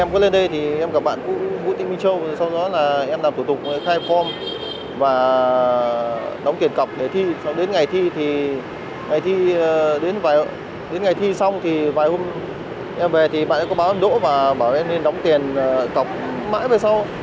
khi đến ngày thi xong thì vài hôm em về thì bạn ấy có báo em đỗ và bảo em nên đóng tiền tọc mãi về sau